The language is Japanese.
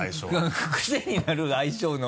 癖になる相性の。